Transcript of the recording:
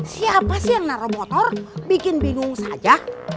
siapa sih yang naruh motor bikin bingung saja